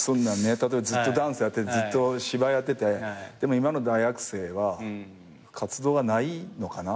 例えばずっとダンスやっててずっと芝居やっててでも今の大学生は活動はないのかな？